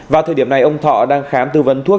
vào thời điểm này ông thọ đang khám tư vấn thuốc